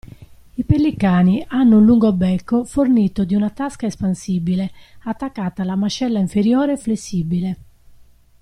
I pellicani hanno un lungo becco fornito di una tasca espansibile attaccata alla mascella inferiore flessibile.